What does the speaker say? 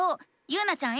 ゆうなちゃん